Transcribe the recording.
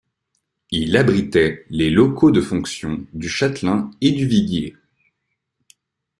Il abritait les locaux de fonction du châtelain et du viguier.